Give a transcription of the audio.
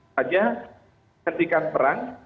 hanya menentikan perang